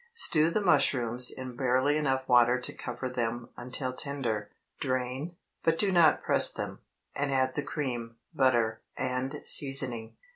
Stew the mushrooms in barely enough water to cover them until tender. Drain, but do not press them, and add the cream, butter, and seasoning.